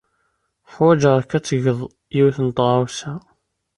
Ḥwajeɣ-k ad tged yiwet n tɣawsa.